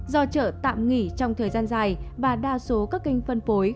do chợ tạm nghỉ trong thời gian dài và đa số các kênh phân phối